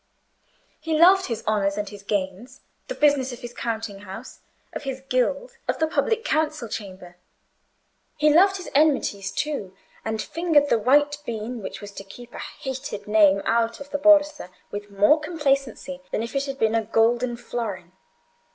He loved his honours and his gains, the business of his counting house, of his guild, of the public council chamber; he loved his enmities too, and fingered the white bean which was to keep a hated name out of the borsa with more complacency than if it had been a golden florin.